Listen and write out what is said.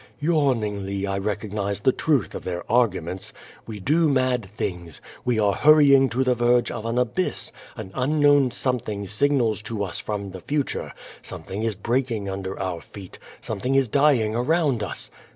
Yawningly I recognize the truth of their arguments. We do mad things. We are hurrying to the verge of an abyss, an unknown some thing signals to us from the future, something is breaking under our feet, something is dying around us.